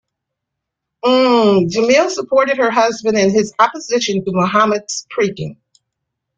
Umm Jamil supported her husband in his opposition to Muhammad's preaching.